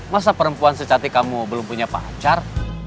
masa perempuan secatik kamu belum punya pacar